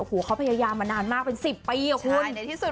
โอ้โหเขาพยายามมานานมากเป็นสิบปีอะคุณใช่ในที่สุด